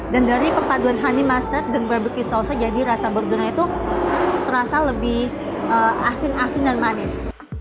dan dari pepaduan honey mustard dan barbecue sausnya jadi rasa burgernya itu terasa lebih asin asin dan manis